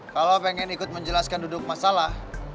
kalau pengen ikut menjelaskan duduk masalah